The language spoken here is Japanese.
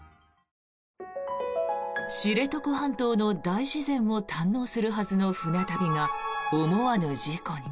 知床半島の大自然を堪能するはずの船旅が思わぬ事故に。